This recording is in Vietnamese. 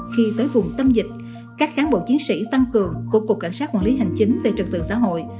khi tới vùng tâm dịch các cán bộ chiến sĩ tăng cường của cục cảnh sát quản lý hành chính về trật tự xã hội